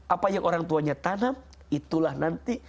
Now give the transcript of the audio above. apa yang orang tuanya tanam itulah nanti